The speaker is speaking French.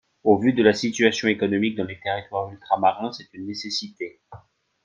Au vu de la situation économique dans les territoires ultramarins, c’est une nécessité.